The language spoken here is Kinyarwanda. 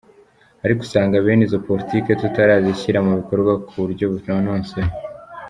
Ariko usanga bene izo politiki tutarazishyira mu bikorwa ku buryo bunonosoye.